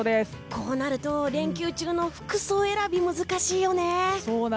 こうなると連休中の服装選び難しいよね。